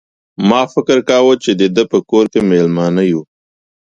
ما فکر کاوه چې د ده په کور کې مېلمانه یو.